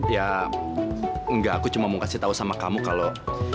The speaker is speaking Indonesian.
ya enggak aku cuma mau kasih tahu sama kamu kalau